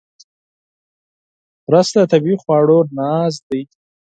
رس د طبیعي خواړو ناز ده